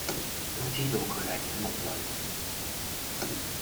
都知道佢係醒目女